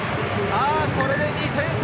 これで２点差。